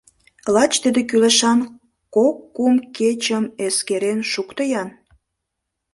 Лач тиде кӱлешан кок-кум кечым эскерен шукто-ян!